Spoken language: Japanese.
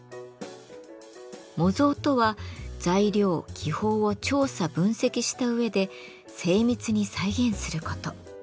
模造とは材料・技法を調査分析した上で精密に再現すること。